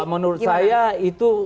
kalau menurut saya itu